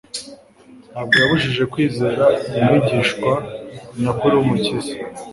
ntabwo yabujije kwizera umwigishwa nyakuri w'Umukiza.